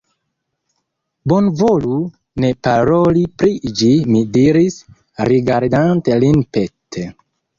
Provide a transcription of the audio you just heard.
Bonvolu ne paroli pri ĝi, mi diris, rigardante lin pete.